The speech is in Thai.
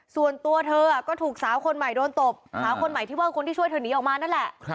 ส่วนตัวเธอก็ถูกสาวคนใหม่โดนตบสาวคนใหม่ที่ว่าคนที่ช่วยเธอหนีออกมานั่นแหละ